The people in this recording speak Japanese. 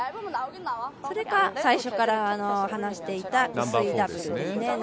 それか、最初から話していた薄いダブルですね。